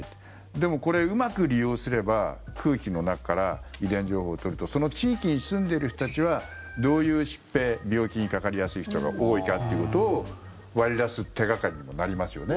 でもこれ、うまく利用すれば空気の中から遺伝情報を取るとその地域に住んでる人たちはどういう疾病、病気にかかりやすい人が多いかっていうことを割り出す手掛かりにもなりますよね。